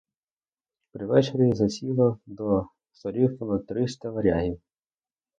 При вечері засіло до столів понад триста варягів.